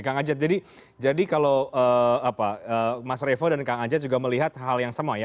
kang ajat jadi kalau mas revo dan kang ajat juga melihat hal yang sama ya